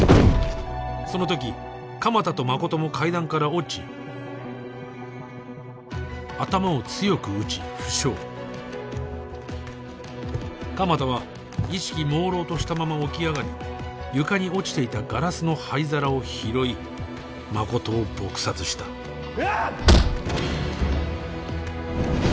その時鎌田と誠も階段から落ち頭を強く打ち負傷鎌田は意識朦朧としたまま起き上がり床に落ちていたガラスの灰皿を拾い誠を撲殺したうわっ！